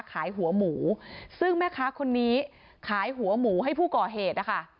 หัวหมูซึ่งแม่ค้าคนนี้ขายหัวหมูให้ผู้ก่อเหตุนะคะ